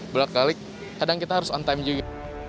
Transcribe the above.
belak belik kadang kita harus on time juga